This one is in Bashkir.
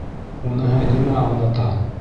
Уныһы нимә аңлата?